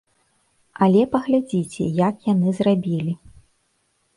Але паглядзіце, як яны зрабілі.